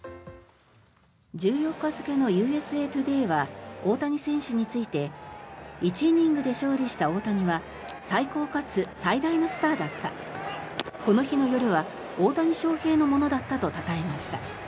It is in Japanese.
１４日付のＵＳＡトゥデーは大谷選手について１イニングで勝利した大谷は最高かつ最大のスターだったこの日の夜は大谷翔平のものだったとたたえました。